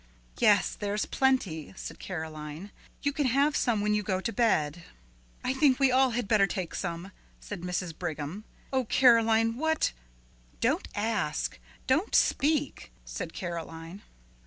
"Yes, there's plenty," said Caroline; "you can have some when you go to bed." "I think we had all better take some," said Mrs. Brigham. "Oh, Caroline, what " "Don't ask; don't speak," said Caroline.